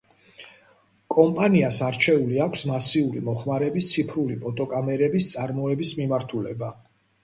კომპანიას არჩეული აქვს მასიური მოხმარების ციფრული ფოტოკამერების წარმოების მიმართულება.